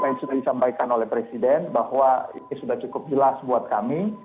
apa yang sudah disampaikan oleh presiden bahwa ini sudah cukup jelas buat kami